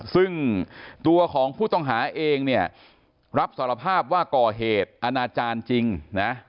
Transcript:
ซึ่งตัวของผู้ต้องหาเองเนี่ยรับสารภาพว่าก่อเหตุอาณาจารย์จริงนะ